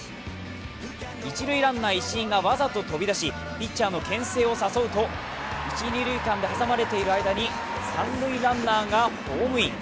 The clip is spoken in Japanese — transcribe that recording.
一塁ランナー・石井がわざと飛び出し、ピッチャーのけん制を誘うと、一二塁間で挟まれている間に三塁ランナーがホームイン。